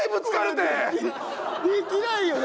できないよな。